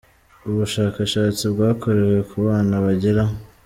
Ubushakashatsi bwakorewe ku bana bagera.